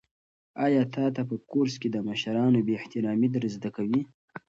آیا تا ته په کورس کې د مشرانو بې احترامي در زده کوي؟